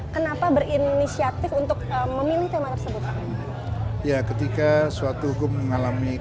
ketika diared di folomofichts jaya as stopper di mana yang kita tarik